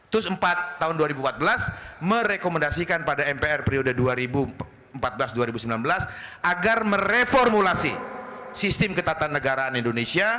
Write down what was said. tus empat tahun dua ribu empat belas merekomendasikan pada mpr periode dua ribu empat belas dua ribu sembilan belas agar mereformulasi sistem ketatanegaraan indonesia